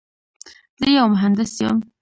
زه یو مهندس یم.